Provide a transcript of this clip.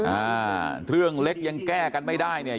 อ่าเรื่องเล็กยังแก้กันไม่ได้เนี่ย